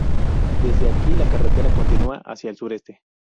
Desde aquí la carretera continúa hacia el sureste.